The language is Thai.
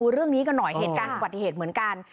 เรื่องนี้กันหน่อยเหตุการณ์อุบัติเหตุเหมือนกัน